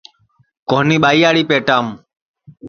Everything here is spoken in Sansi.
کونیھ ٻائیاڑی پیٹام